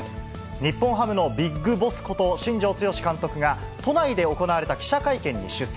日本ハムのビッグボスこと、新庄剛志監督が、都内で行われた記者会見に出席。